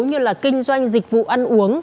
như là kinh doanh dịch vụ ăn uống